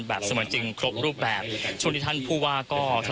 แบบเสมอจริงครบรูปแบบช่วงนี้ท่านผู้ว่าก็แต่